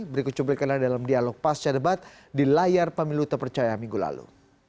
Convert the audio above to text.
berikut cuplikannya dalam dialog pasca debat di layar pemilu terpercaya minggu lalu